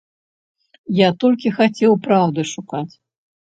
Я толькі хацеў праўды шукаць.